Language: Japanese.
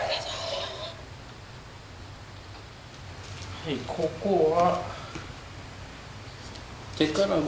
はいここは。